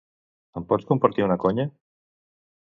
Em pots compartir una conya?